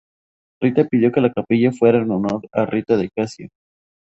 Rita pidió que la capilla fuera en honor a Rita de Casia.